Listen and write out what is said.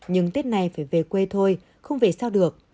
nhưng tết này phải về quê thôi không về sau được